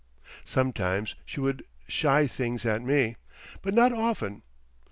Sometimes she would shy things at me—but not often.